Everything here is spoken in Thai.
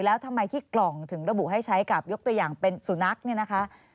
แล้วทำไมที่กล่องถึงระบุให้ใช้กับยกตัวอย่างเป็นสุนัขเนี่ยนะคะ